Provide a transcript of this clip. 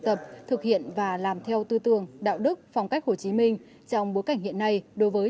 tập thực hiện và làm theo tư tưởng đạo đức phong cách hồ chí minh trong bối cảnh hiện nay đối với